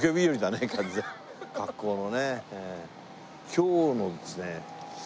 今日のですね